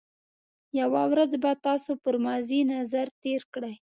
یو ورځ به تاسو پر ماضي نظر تېر کړئ.